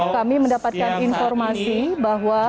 kami mendapatkan informasi bahwa